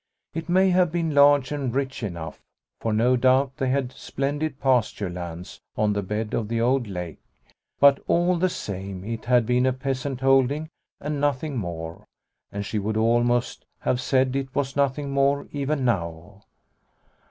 It may have been large and rich enough, for no doubt they had splendid pasture lands on the bed of the old lake. But all the same it had been a peasant holding and nothing more, and she would almost have said it was nothing more even now.